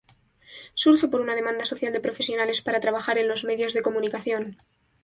Surge por una demanda social de profesionales para trabajar en los medios de comunicación.